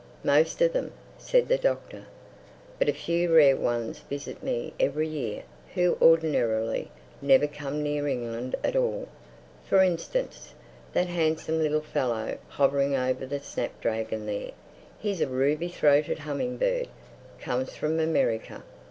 "Most of them," said the Doctor. "But a few rare ones visit me every year who ordinarily never come near England at all. For instance, that handsome little fellow hovering over the snapdragon there, he's a Ruby throated Humming bird. Comes from America.